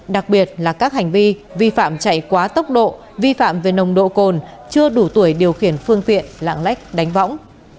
đặc biệt là các hành vi vi phạm chạy quá tốc độ vi phạm về nồng độ cồn chưa đủ tuổi điều khiển phương tiện lạng lách đánh võng